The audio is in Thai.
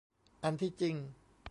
อันที่จริง